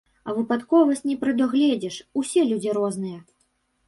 А выпадковасць не прадугледзіш, усе людзі розныя.